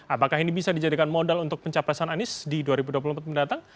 apakah ini bisa dijadikan modal untuk pencapresan anies di dua ribu dua puluh empat mendatang